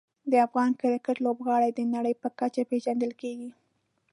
د افغان کرکټ لوبغاړي د نړۍ په کچه پېژندل کېږي.